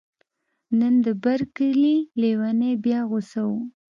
نن د بر کلي لیونی بیا غوسه و